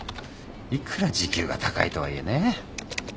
いくら時給が高いとはいえね。